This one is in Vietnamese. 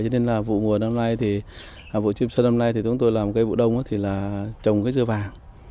cho nên là vụ chiêm xuân năm nay thì chúng tôi làm cái vụ đông là trồng cái dưa vàng